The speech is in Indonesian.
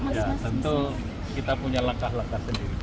ya tentu kita punya langkah langkah sendiri